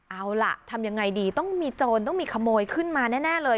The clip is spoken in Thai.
เอาล่ะทำยังไงดีต้องมีโจรต้องมีขโมยขึ้นมาแน่เลย